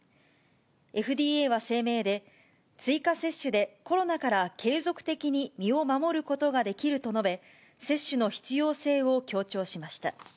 ＦＤＡは声明で、追加接種でコロナから継続的に身を守ることができると述べ、接種の必要性を強調しました。